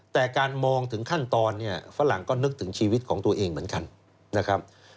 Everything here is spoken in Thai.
แต่การมองถึงขั้นตอนเนี่ยฝรั่งก็นึกถึงชีวิตของตัวเองเหมือนกันนะครับ